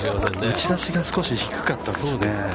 ◆打ち出しが少し低かったんですね。